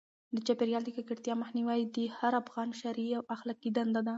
د چاپیریال د ککړتیا مخنیوی د هر افغان شرعي او اخلاقي دنده ده.